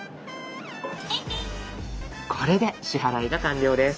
これで支払いが完了です。